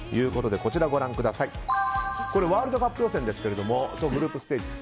こちらワールドカップ予選ですがそれとグループステージ。